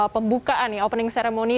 pembukaan nih opening ceremony